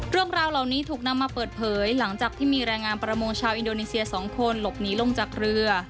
เรื่องราวเหล่านี้ถูกนำมาเปิดเผยหลังจากที่มีแรงงานประมงชาวอินโดนีเซีย๒คนหลบหนีลงจากเรือ